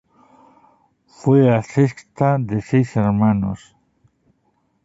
Fue la sexta de seis hermanas.